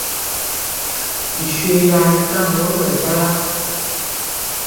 Biswe ya ri kam mori mɛsala.